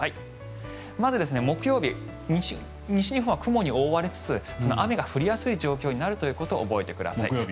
まず木曜日、西日本は雲に覆われつつ雨が降りやすい状況になるということを覚えてください。